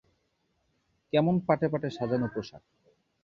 কেমন পাটে পাটে সাজান পোষাক।